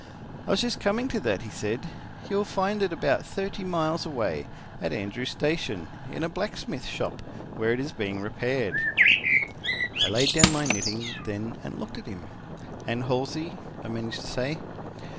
"I was just coming to that," he said. "You will find it about thirty miles away, at Andrews Station, in a blacksmith shop, where it is being repaired." I laid down my knitting then and looked at him. "And Halsey?" I managed to say.